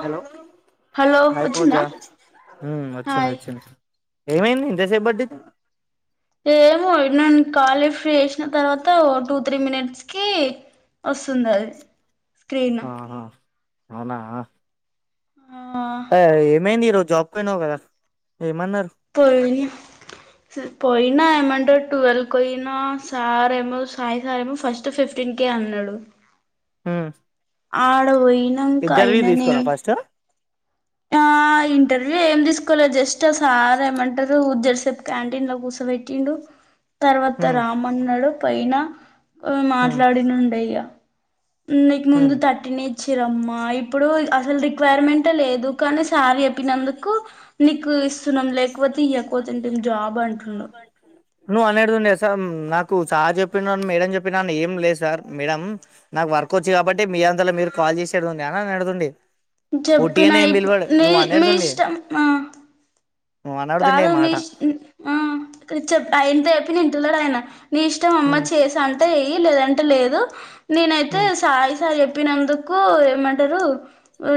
Hello hello hi వచ్చిందా పూజా వచ్చింది hi వచ్చింది ఏమైంది ఇంతసేపు బడ్డది ఏమో నన్నను కాల్ లిఫ్ట్ వేసిన తర్వాత ఓ టూ త్రీ మినిట్స్ కి ఒస్తుందది అవును అవునా ఆ ఆ ఏం అయింది ఈరోజు జాబ్ కి పోయినవ్ కదా ఏమన్నరు పో ని పోయినా ఏమంట్రేడ్ ట్వెల్వ్ పోయినా సార్ేమో సాయి సార్ ఏమో ఫస్ట్ ఫిఫ్టీన్ కే అండ్రెడ్ ఆ ఆడవయినం కైననే తీసుకురా ఫస్ట్ ఆ ఇంటర్వ్యూ ఏం తీసుకోలేదు జస్ట్ ఆ సార్ ఏమంటారు ఉద్ద సేపు క్యాంటీన్ లో కూసబెట్టిండు తర్వాత ఉమ్ రామన్నడు పైన ఉమ్ మాట్లాడినండేయ్యా నీకు ముందు ఉమ్ థర్టీన్ ఇచ్చిరమ్మా ఇప్పుడు అసలు రిక్వైర్మెంట్ లేదు కానీ సార్ చెప్పినందుకు నీకు ఇస్తున్నాం లేకపోతే ఇక తంటే జాబ్ అంటుండు నువ్ అన్నెడు దడి వస్త నాకు చహా చెప్పిన మేడం చెప్పినా ఏం లేదు సార్ మేడం నాకు వర్క్ వచ్చి కాబట్టి మీ అంతలా మీరు కాల్ చేసేడుడి అనా అడదండి చెప్పిన పోటీయనే ఏం ఇప్పు బిల్వాడు నీ నువ్వు మీ అనేడుతుండి ఇష్టం ఆ కాదు ఉమేష్ చె ఆయన తప్ప నింటన్నాడు ఆయన నీ ఇష్టం అమ్మ ఉమ్ చేసా అంటే ఏయి లేదంటే లేదు నేనైతే ఉమ్ సాయిసారి చెప్పినందుకు ఏమంటారు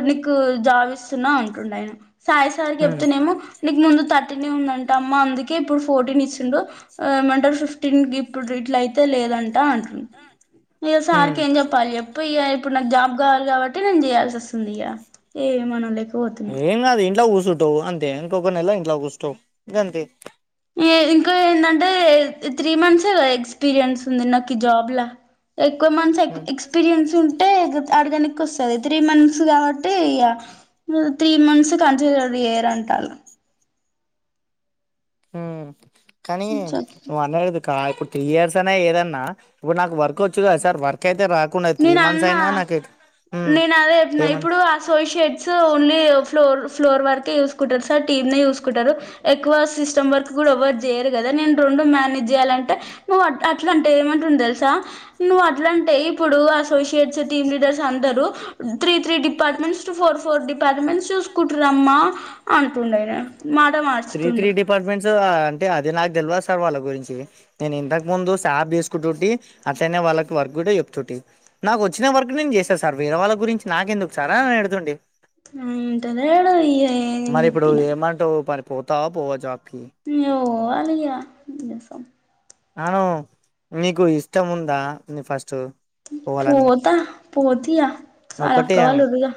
నీకు జావిస్తున్నా ఉంటుండ ఆయన సాయిసారి ఉమ్ చెప్తతున్నానేమో నీకు ముందు థర్టీనే ఉందంటే అమ్మ అందుకే ఇప్పుడు ఫోర్టీన్ ఇచ్చిండు ఏమంటారు ఫిఫ్టీన్ ఇప్పుడు ఇట్లాయి అయితే లేదంట అంటు ఇ ఉమ్ సార్కి ఏం చెప్పాలి ఎప్పు ఇప్పుడు నా జాబ్ కా కాబట్టి నేను చేయాల్సి వస్తుంది ఏ మనం లేక ఏం కాదు ఇంట్లో కూర్చుంటవు అంతే ఇంకొక నెల ఇంట్లో కూర్చావు ఇంక అంతే ఇంకా ఏంటంటే త్రీ మంత్స్ ఎక్స్పీరియన్స్ ఉంది నాకు జాబ్ ఎక్కువ మంత్స్ ఎక్ ఉమ్ ఎక్స్పీరియన్స్ ఉంటే అడగడానికి వస్తుంది త్రీ మంత్స్ కాబట్టి త్రీ మంత్స్ కంట ఏరు అంటాల హ కానీ మనదు ఇప్పుడు త్రీ ఇయర్స్ అనే ఏదన్నా ఇప్పుడు నాకు వర్క్ వచ్చు కదా సార్ వర్క్ అయితే కు నేను అన్నా మనసానా నాక నేను అదే చెప్పిన ఇప్పుడు అసోషియేట్స్ ఓన్లీ ఫ్లోర్ ఫ్లోర్ వరకే చూసుకుంటారు సార్ టీమ్ న చూసుకుంటారు ఎక్కువ సిస్టమ్ వర్క్ కూడావరు చేయరు కదా నేను ర మేనేజ్ చేయాలంటే నువ్ అట్లా అంటే ఏమంటుంది తెలుసా నువ్వు అట్లా అే ఇప్పుడు అసోసియేట్స్ టీమ్ లీడర్స్ అందరు three three departments four four departments చూసుకుంటురమ్మా అంటుండు ఆయన మాట త్రీ త్రీ మార్చుతుండు డిపార్ట్మెంట్స్ అంటే అదే నాకు తెలివా సార్ వాళ్ళ గురించి నేను ఇంతకు ముందు సాాప్ తీసుకుంటుటి అతనే వాళ్ళకి వర్క్ కూడా చె నాకు వచ్చిన వరకు నేను చేసాను సార్ వీర వాళ్ళ గురించి నాకెందుకు సారా నే ఎడుతుండడి ంటద ఏడుయ ఏ చెప్పిన పోతా పో అజాప్ ఓ అలాగసం అను మీీకు ఇష్టం ఉందా ఫస్ట్ పోవాలని పోోత ఆ పోతి ఆ సాలాక్కవాళ వవుగా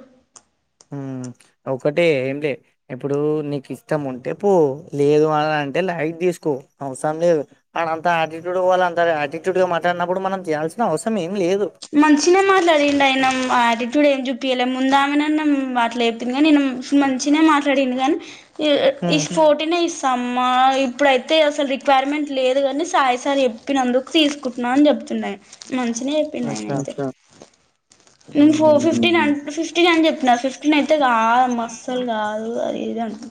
హ ఒకటే ఏంటి ఇప్పుడు నీకు ఇష్టం ఉంటే పో లేదు అని అంటే లైట్ తీసుకు అవసరం లేదు అ అంత ఆటిట్యూడ్ వాళ్ళ అంత ఆటిట్యూడ్ గా మాట్లాడినప్పుడు మనం చేయాల్సిన అవసరం లేదు మనుషిన మారిలా అడిండయిన ఆ ఇప్పుడు ఏం చూప్పించలే ముందా ఆమె మాట్లా చెపోింది కానీ నేను మంచిినే మాట్లాడిను గాని ఈ ఈ హ్మ్ స్పోోటీని సమ్మా ఇప్పుడైతే అసలు రిక్వైర్మెంట్ లేదు కాని సాయిసార్ చెప్పినందుకు తీసుకుంటున్నా అని చెప్తాను తుయి మంచిిన చెయిప్పిండయన అచ్చా అయితే నేను ఫో హుహుహు. ఫిఫ్టీన్ అన్ ఫిఫ్టీన్ అని చెప్పిన ఫిఫ్టీన్ అయితే కా మ్ అస్సలు కాదు అది ఇది అను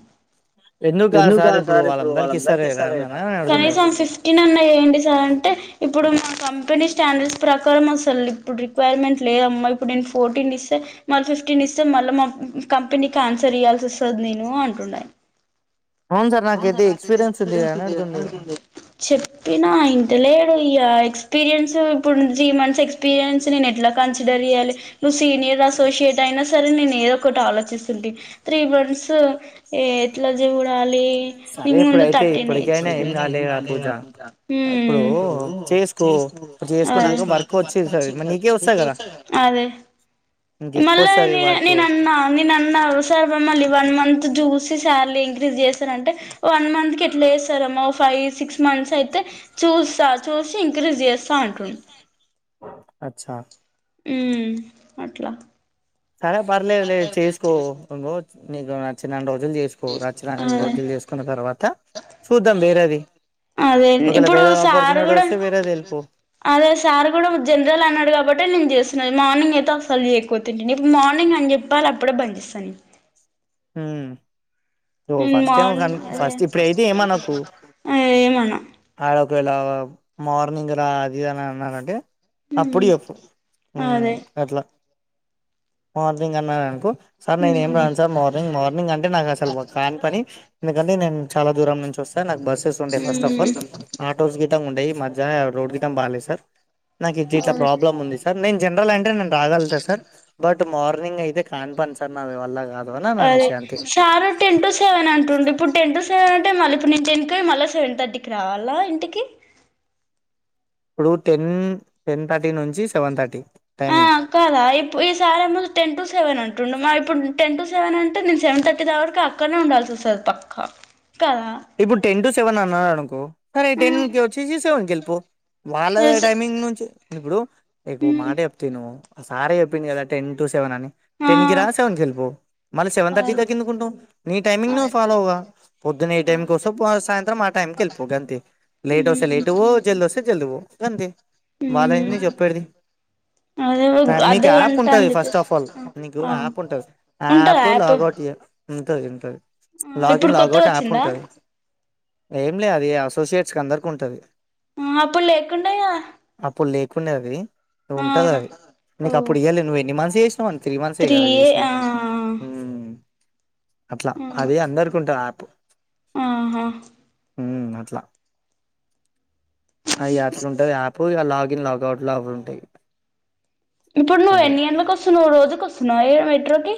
ఎందు కాదు సార్ ఇప్పుడు వాళ్ళందరికి ఇస్తా లేరా కనీసం ఫిఫ్టీన్ ఉన్నా ఏంటి సార్ అంటే ఇప్పుడు మా కంపెనీ స్టాండర్స్ ప్రకారం అసలు ఇప్పుడు రిక్వైర్మెంట్ లేదమ్మా ఇప్పుడు నేను ఫోర్టీన్ ఇస్తే మళ్ళీ ఫిఫ్టీన్ ఇస్తే మళ్ళీ మా కంపెనీకి ఆన్సర్ ఇయ్యాల్సి వస్తది నేను అంటుడు ఆయిన అవును సార్ నాకైతే ఎక్స్పీరియన్స్ ఉంది అని అడుతుండే చెప్పినా ఇంటలే ఈగా ఎక్స్పీరియన్స్ ఇప్పుడు త్రీ మంత్స్ ఎక్స్పీరియన్స్ నేన్ ఎట్లా కాన్స్ డర్య్యాలి నువ్వు సీనియర్ అసోసియేట్ అయినా సరే నేను ఏదో ఒకటి ఆలోచిస్తుే త్రీ బంస్ ఏ ఎట్ల జూడాలి నీ సరే ముందు ఇప్పుడైతే తట్టేనే ఇప్పటికైనా ఏం కాలేదా పూజ ఇప్పుడు అ ఓ చేసుకో అదే చేసుకున్నాక వర్క్ చేసుకున్నక పక్క వచ్చేది సార్ వచ్చి మరి వస్తాయి నీకే కదా వస్తాది కద అదే నీకు ఎక్కువ మళ్ళ వస్తది నినే వర్క్ నేన్ అన్నా నిన్ అన్న సర్బమ్మళ వన్ మంత్ జూ సి సాలరీ ఇం క్రిస్ చేస్తారంటే ఓ వన్ మంత్ కి ఎట్లా ఎస్తారమ్మా ఫైవ్ సిక్స్ మంత్స్ అయితే చూస్తా చూ ఓ సి ఇన్క్రీస్ జేస్తా అంటు అచ్చా ఉహ్మ్ అట్లా సరే పర్లేదు లే చేసుకో నీకు నచ్చి నన్ని రోజు జులు చేసుకో నచ్చినన్నీ అదే రోజులు చేసుకున్న తర్వాత చూద్దాం వేరేది అదే ఒకవేళ ఇప్పుడు వేరేది సారు ఆపర్చునిటీ కూడా వస్తే వేరేది వెళ్ళిపో అదే సార్ కూడా జనరల్ అన్నాడు కాబట్టే నేను చేస్ తున్న మార్నింగ్ అయితే అసలు చేయకపోతుంటినీ మార్నింగ్ అని చెప్పాలి అప్పుడే బంజేస్తా నేను మ్ ఓ నేను ఫస్ట్ ట ఏమ కన్ మార్నింగ్ ఫస్ట్ ఇప్పుడ అయితే ఏమనకు అదే ఏమనా ఆడ ఒకవేళ మార్నింగ్ రా అది అని అన్నాారంటే అప్పుడు ఉమ్ చెప్పు మ్ అదే అట్లా మార్నింగ్ అన్నారు అనుకో సార్ నేను ఉమ్ ఏం రాను సార్ మార్ని ంగ్ మార్నింగ్ అంటే నాకు అసలు కాన్ పని ఎందుకంటే నేను చాలా దూరం నుంచి వస్తా స నాకు బస్సెస్ ఉండేయి first of all um autos గిట ఉండేయి మధ్య రోడ్ గిట బాలేదు సార్ నాకు ఇటిట్లా ప్రాబ్లమ్ ఉంది సార్ నేను జనరల్ అంటే నేను రాగలిగుతా సార్ బట్ మార్నింగ్ అయితే కానిపని సార్ నా వల్ళ కాదు అని అని అదే అనేసి అంతే శారు టెన్ టు సెవెన్ అంటుండు ఇప్పుడు టెన్ టు సెవెన్ అం టే మళ్ళీ ఇప్పుడు నేను టెనుకు పోయి మళ్ళా సెవెన్ తట్టికి రావాలా ఇంటికి ఇప్పుడు టెన్ టెన్ థర్టీ నుంచి సెవెన్ థర్టీ టైమింగ్ కదా ఇ ఈ సార్ ఎమో టెన్ టు సెవెన్ అంటు టుండు మరి ఇప్పుడు టెన్ టు సెవెన్ అంటే నేను సెవెన్ థర్టీ త వరకు అక్కనే ఉండాల్సి వస్తది పక్క ఇప్పుడు టెన్ టు సెవెన్ అన్నాడు అనుకో సరే టెన్ మ్మ్ కి వచ్చేసి సెవెన్ కెల్లిపో వాళ్ళదే ఎస్ టైమింగ్ నుంచు ఇప్పుడు ఇప్పు ఒక మ్మ్ మాట చెప్త విను సారే చెప్పిండు కదా టెన్ టు సెవెన్ అని ఆ టెన్ కి రా సెవెన్కిె ఎల్లిపో మళ్ళీ సెవెన్ ఆ థర్టీ దాకా ఎందుకు ఉంటావ్ నీ టైమింగ్ నువ్ ఫాలోగా పొద్దున్న ఎ టైం కోస పు సాయంత్రం ఆ టైం కి వెళ్పో గాంతే లేట్ వస్తే మ్మ్ లేట్ పో జల్ది వస్తే జల్ది పో గంతే వాళ్లేంది మ్మ్ చెప్పేడ్ది అదే మీకు యాప్ అర్ధగంట ఉంటది అని ఫస్ట్ చెప్పేసి ఆఫ్ ఆల్ మీకు అవు యాప్ ఉంటది ఉంటదా ఆయాప్ యాప్ లాగౌట్ ఎ ఉంటది ఉంటది లాగిన్ ఇప్పుడు కొత్తగా లాగౌట్ యాప్ వచ్చిందా ఉంటది ఏం లే అది అసోసియట్స్ కి అందరికి ఉంటది ఆ అప్పుడు లేకుండేగా కుండె ఆది ఉంటాది అది ఓ నీకు అప్పుడు ఇయ్యలే నువ్వు ఎన్ని మంత్స్ చెస్ నావని త్రీ మంథ్సె కద చేసింది అట్లా అది అందరికి ఉంటాది యాప్ ఆహా మ్ అట్లా అయి అయ్లుంటది యాప్ ఇగ లాగ్ ఇన్ల అకౌంట్ లా అవి ఉంటాయి ఇప్పుడు నువ్వు అది ఎన్ని గంటలకి వస్తున్నావు ఇ రోజు మెట్రోకి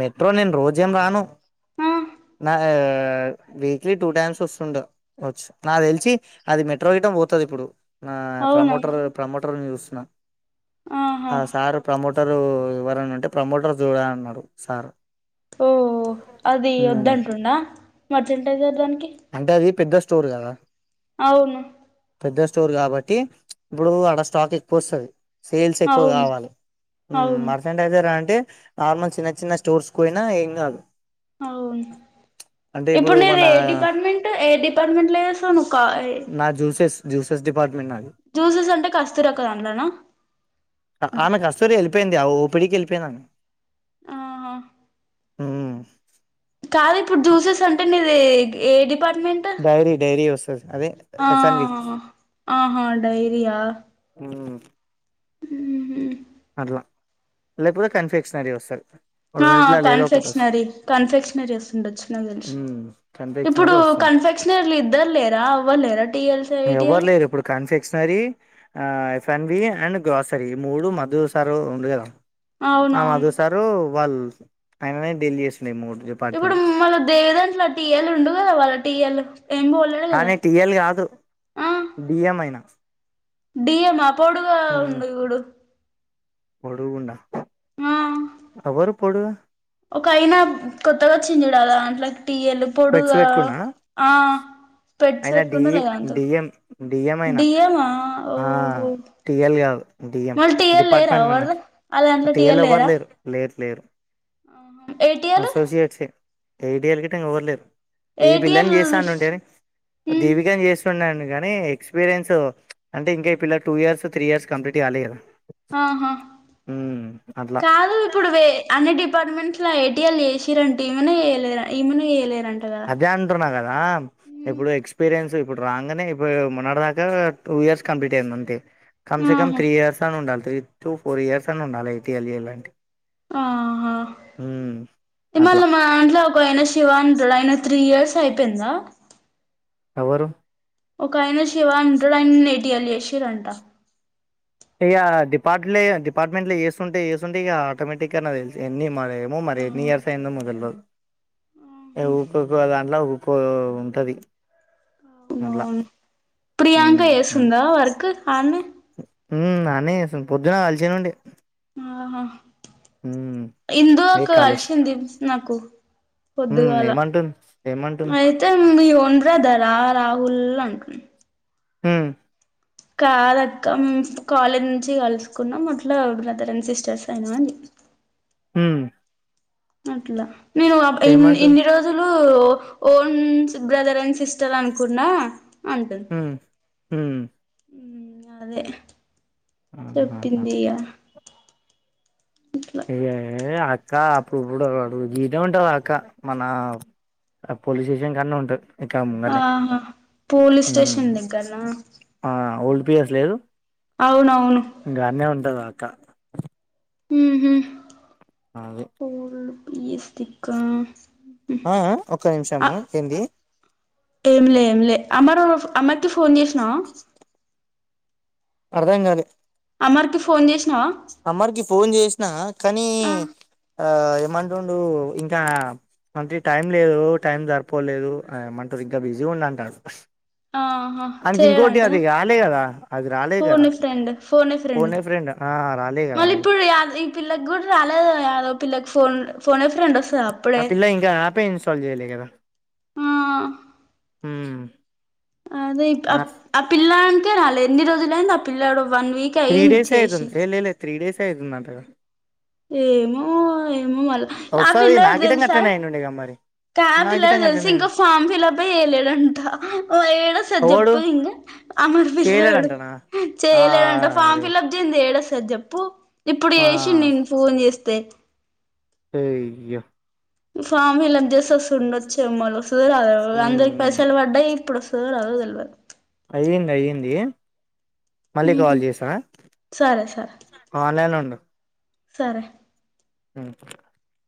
మెట్రోలో నేను రోజేం రాను ఆ వీక్లీ టూ టైమ్స్ వస్తుంటది కావచ్చు నాకు తెలిసి అది మెట్రో రిటర్న్ పోతది ఇప్పుడు ఆ అవునా ప్రమోటర్ ప్రమోటర్ చేస్తున్నా ఆహా సార్ ప్రమోట రు ఎవరనుంటే ప్రమోటర్ చూడు అన్నాడు సార్ ఓఓ అది ఉమ్ వద్దంటుండా మర్చంటైజర్ దానికి అంటే అది పెద్ద స్టోర్ కదా అవునా పెద్ద స్టోర్ కాబట్టి ఇప్పుడు ఆడ స్టాక్ ఎక్కువ వస్తది సేల్స్ ఎక్కువ అవును కావాలి అవును మర్సెంటైజర్ అంటే నార్మల్ చిన్న చిన్న స్టోర్స్ పోయినా ఏం కాదు అవునా అంటే ఇప్పుడు మన నీది ఏ డిపార్ట్మెంట్ ఏర డిపార్ట్మెంట్ లో చేస్తావు నువ్వు సెల్స్ జూసెస్ డిపార్ట్మెంటు నాది జ్యూసెస్ అంటే కస్తూరక్క దాంట్లోనా ఆమె అసలకే వెళ్ళిపోయింది ఆ ఊపు పెళ్ళికి ఎల్లిపోయినా ఆహా మ్మ్ కాదు ఇప్పుడు జ్యూసెస్ అంటే నిది ఏ డిపార్ట్ డైరీ డైరీ వస్తది అదే ఆ ఎఫ్ఎన్వి ఆహా డైరియా మ్మ్ హ్హ్ అట్లా లేకాపోతే కన్ఫిక్షనరీ వస్తది ఆ రెండిట్లలో ఏదో ఒకటి వస్తది కన్ఫెక్షనరీ కన్ఫెక్షనరీ వస్తుండొచ్చు నాకు తెలిసి మ్మ్ ఇప్పుడు కన్ఫక్షనరీ వస్తది కన్ఫెక్షనర్లు ఇద్దరు లేరా ఎవ్వరు లేరా టీఎల్స్ ఎవ్వరు ఏటీఎల్ లేరు ఇప్పుడు కన్ఫిక్షనరీ ఆ ఫన్వి అండ్ గ్రాసరీ మూడు మధు సారు ఉంది కదా ఆ అవునవును మధు సారు వాళ్లు ఆయననే డీల్ చేస్ ఇప్పుడు మళ్ళ దేవి దాంట్లో టీయేలు ఉండు కదా వాళ్ళ టీయేలు ఏం పోలేదు కదా కానీ టిఎల్ కాదు ఆ డిఎం అయినా డియే మాకు కూడా ఉంది చూడు పోడుగున్నా ఆ ఎవరు పొడుగా ఒక ఆయన కొత్తగా వచ్చిండు చూడు అట్ల ఈ ఎరుపోడు గా ఆ స్పెట్స్ అయన డిఈ పెట్టుకుంటలేదా దాంతో డిఎం డిఎం అయనా డిఎమా ఆ ఓహో టిఎల్ కాదు డిఎం మళ్ళీ టీఎల్ లేరా డిపార్ట్మెంట్ ఎవరిది మనది వాళ్ళ టిఎల్ ఎవ్వరు లేరు లేరు లేరు ఏ టిఎ లు ఏ ఐటిఎల్ గట్ల ఇగ ఎవరులేరు ఈ ఏటిఎల్ పిల్లని చేస్తా అని వుంటే దీవికను చేస్తు ఉన్నాను కానీ ఎక్స్పీరియన్స్ ప్చ్ అంటే ఇంకా ఈ పిల్ల two years three years complete కాలే కదా ఆహా ఉమ్, అట్లా కాదు ఇప్పుడు అన్ని డిపార్ట్మెంట్లు ఇట్లా ఏఐటీఎల్ చేసిరంటే ఈమనే చేయలేదు ఈమనే చేయలేదు అదే అంటున్నా కదా ఇప్పుడు ఎక్స్పీరియన్స్ ఇప్పుడు రాగానే ఇప్పుడు మొన్నాటి దాకా టూ ఇయర్స్ కంప్లీట్ అయింది అంతే కనీసం ఆహా త్రీ ఇయర్స్ అని ఉండాలి త్రీ టు ఫోర్ ఇయర్స్ అని ఉండాలి ఎఐటీఎల్ చేయాలంటే ఆహా ఉమ్, ఇవాళ అట్లా మన దాంట్లో ఒక అయన శివా అని ఉంటడు త్రీ ఇయర్స్ అయిపోయిందా ఎవరు ఒకయన శివ అని ఉంటడు ఆయన నిన్న ఏఐటిఎల్ చేసిరంట ఇగా డిపార్ట్ డిపార్ట్మెంట్ లో చేస్తుంటే చేస్తుంటే ఇగ ఆటోమేటిక్ గా నాకు తెలిసి ఎన్ని మా మర నయర్సై ముదల్వ ఊపికు ఎలా ఉంటది అట్లా అవునవును ప్రియాంక వేసుందా వర్కు కాన్న నాన్నసలు పొద్దున కలిచనుండి ఆహా ఇందుక ఏ కాలు కలిషంది నాకు మ్మ్ పొద్దుగాల ఏమంటుంది ఏమంటుంది అయితే మీ ఉండ్రదారా రాహల్ అం హ కాదక్క మేమూ కాలేజ్ నుంచి కలుసుకున్నాం అట్లా బ్రదర్ అండ్ సిస్టర్స్ అయినాం అండి హ అట్లా నేను ఇ ఏమంటుంది ఇన్ని రోజులు ఓన్ బ్రదర్ అండ్ సిస్టర్ అనుకున్నా అంటుంది హ హ అదే ఆహాహా చెప్పింది్య ఏ అక్క అప్పుడు ఇప్పుడు గీడ ఉంటంది అక్క మన పోలీస్ స్టేషన్ కన్నా ఉంటది ఎక్క ముంటనేే ఆహా పోలీస్ స్టేషన్ దగ్గరనా ఓల్డ్ పిఎస్ లేదు అవునవును ఇంకాన్న ఉంటుంది అక్క అదే పోల్ పస్కా ఆ ఒక్క నిమిషము ఏంటి ఏంలే ఏంలే అమ్మర్ అమ్మర్కి ఫోన్ చేసినావు అర్థం కాదు అమర్కి ఫోన్ చేసి అమ్మర్కి ఫోన్ చేసినా కానీ ఆ ఆ ఏమంటుండు ఇంకా అంటే టైం లేదు టైం జరిపోలేదు అంటారు ఇంకా బిజీ ఉండంటాడు ఆహా చేయడంంటనే కదా అది రాలే కదా పూర్ని ఫ్రెండ్ ఫోన్ ఫోన్ఫరడి ఏ ఫ్రెండ్ ఆ రాలే కదా మళ అది ఇప్పుడు పిల్లకి కూడా రాలేదు అదో పిల్లకి ఫోన్ ఫోన ఫెండస్తా ఆ అప్పుడే పిల్ల ఇంకా యాపే ఇన్స్టాల్ ఆ హ అదే ఆ పిల్నుకాల ఎన్ని రోజులుయింద ఆ పిల త్రీ డేస్ అఐతుంది లే లే లే త్రీ డేస్ అఐతుందంటగా ఏమో ఏమో మళా ఆ వస్తది నా పిల్లలు గిటంగా తెలుసా అట్లనే అయ్యిండుండేగా మరి క్యాబ్ నా పిల్ల గిటంగా తెలిసి అట్లనే ఇంకా అయ్యిండు ఫామ్ ఫిల్ప్ అయలేడంటఓ ఏడు సార్ ఎవడు చెప్ప ఇంకా అమ్మడి పిల్లవాడు చేయలేడంటనా ఆ చేయలేడుంట ఫామ్ అరే ఫిల్ప్ చేంది తేడ సార్ చెప్పు ఇప్పుడు ఆ చేసి నేను ఫోన్ చేస్తే సేయా ఫామి హలప్ చేసి వస్తుండొచ్చేమ్మలు వస్తుందిద ఉమ్, అందరికి ఉమ్. పైసలు పడ్డాయి ఇప్పుడు వ సరు అవు తెల్వ అయ్యింది అయ్యింది మళ్ళీ కాల్ చేసావా సరే సరే ఆన్లైన్ ఉండు సరే ఉ